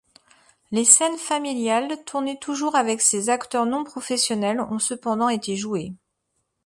Les scènes familiales, tournées toujours avec ces acteurs non professionnels, ont cependant été jouées.